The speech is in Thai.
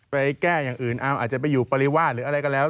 ไปแก้อย่างอื่นเอาอาจจะไปอยู่ปริวาสหรืออะไรก็แล้ว